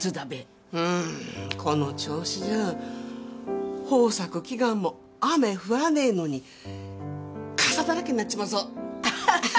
うんこの調子じゃ豊作祈願も雨降らねえのに傘だらけになっちまうぞ。